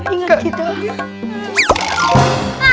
ingat kita ya